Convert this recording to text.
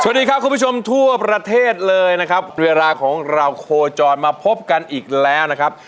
สวัสดีครับคุณผู้ชมทั่วประเทศเลยนะครับเวลาของเราโคจรมาพบกันอีกแล้วนะครับ